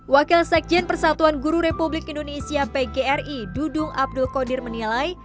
wakil sekjen persatuan guru republik indonesia pgri dudung abdul qadir menilai